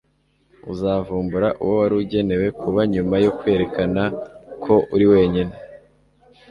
uzavumbura uwo wari ugenewe kuba nyuma yo kwerekana ko uri wenyine